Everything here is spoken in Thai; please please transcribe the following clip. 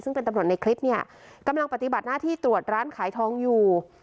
ซึ่งเป็นตำรวจในคลิปเนี่ยกำลังปฏิบัติหน้าที่ตรวจร้านขายทองอยู่